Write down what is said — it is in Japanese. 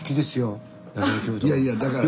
いやいやだから。